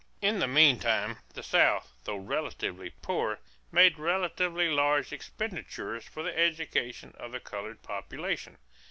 In the meantime, the South, though relatively poor, made relatively large expenditures for the education of the colored population.